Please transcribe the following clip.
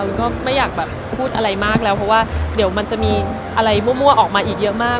ก็ไม่อยากแบบพูดอะไรมากแล้วเพราะว่าเดี๋ยวมันจะมีอะไรมั่วออกมาอีกเยอะมาก